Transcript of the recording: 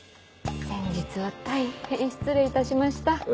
先日は大変失礼いたしました。